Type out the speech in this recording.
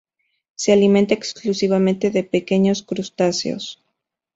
Se alimenta exclusivamente de pequeños crustáceos.